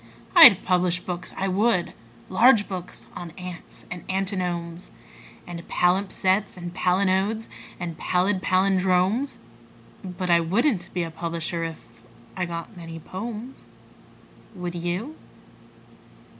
I'd publish books, I would large books on ants and antinomes And palimpsests and palinodes and pallid pallindromes: But I wouldn't be a publisher if .... I got many "pomes." Would you?